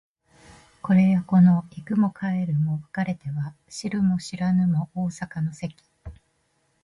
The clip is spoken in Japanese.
これやこの行くも帰るも別れては知るも知らぬも逢坂の関